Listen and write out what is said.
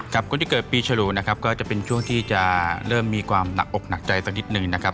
คนที่เกิดปีฉลูนะครับก็จะเป็นช่วงที่จะเริ่มมีความหนักอกหนักใจสักนิดหนึ่งนะครับ